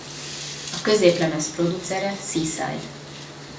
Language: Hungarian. A középlemez producere Seaside.